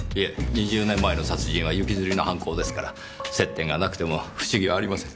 ２０年前の殺人は行きずりの犯行ですから接点がなくても不思議はありません。